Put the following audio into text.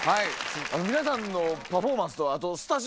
皆さんのパフォーマンスと。